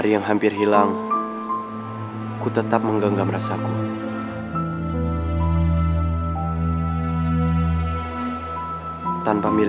nanti lo minum air putih doang lagi di mall